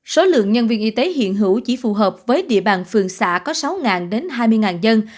số lượng nhân viên y tế hiện hữu chỉ phù hợp với địa bàn phường xã có sáu đến hai mươi dân